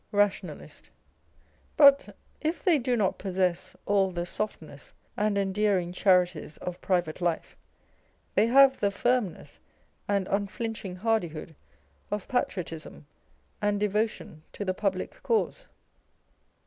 nationalist. But if they do not possess all the softness and endearing charities of private life, they have the firm ness and unflinching hardihood of patriotism and devotion to the public cause.